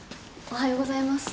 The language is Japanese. おはようございます。